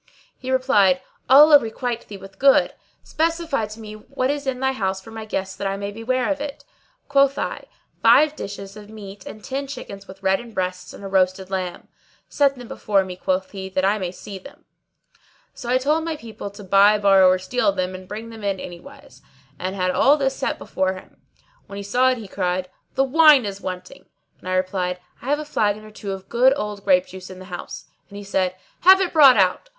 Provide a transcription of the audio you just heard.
He replied, "Allah requite thee with good! Specify to me what is in thy house for my guests that I may be ware of it." Quoth I, "Five dishes of meat and ten chickens with reddened breasts[FN#618] and a roasted lamb." "Set them before me," quoth he "that I may see them." So I told my people to buy, borrow or steal them and bring them in anywise, And had all this set before him. When he saw it he cried, "The wine is wanting," and I replied, "I have a flagon or two of good old grape juice in the house," and he said, "Have it brought out!"